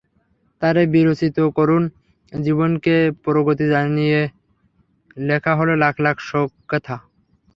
তাঁর বীরোচিত করুণ জীবনকে প্রণতি জানিয়ে লেখা হলো লাখ লাখ শোকগাথা।